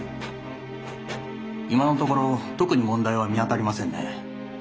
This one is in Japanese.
今のところ特に問題は見当たりませんね。